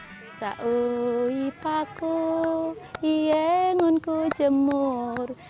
kita ui paku ieng unku jemur